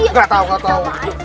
nggak tahu nggak tahu